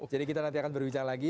jadi kita nanti akan berbicara lagi